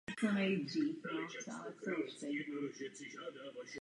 Zájezdní hostinec slouží jako restaurace a kavárna.